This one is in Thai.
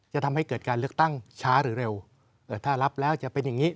จะทำให้เกิดการเลือกตั้งช้าหรือเร็วถ้ารับแล้วจะเป็นอย่างนี้